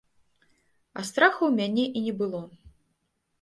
А страха ў мяне і не было.